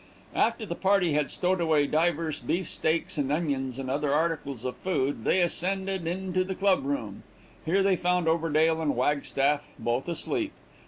After the party had stowed away divers beefsteaks and onions, and other articles of food, they ascended into the club room. Here they found Overdale and Wagstaff, both asleep.